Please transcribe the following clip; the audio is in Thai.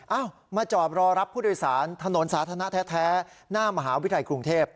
มาจอดรอรับผู้โดยสารถนนสาธารณะแท้หน้ามหาวิทยาลัยกรุงเทพ